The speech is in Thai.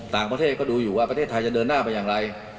ต่างประเทศก็ดูอยู่ว่าประเทศไทยจะเดินหน้าไปอย่างไร